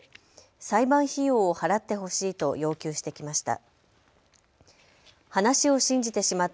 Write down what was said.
裁判費用を払ってほしいと要求してきました。